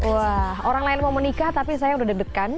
wah orang lain mau menikah tapi saya udah deg degan